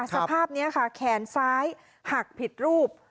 สภาพนี้ค่ะแขนซ้ายหักผิดรูป